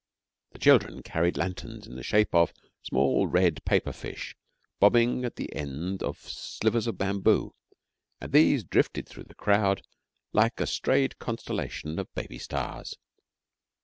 The children carried lanterns in the shape of small red paper fish bobbing at the end of slivers of bamboo, and these drifted through the crowd like a strayed constellation of baby stars.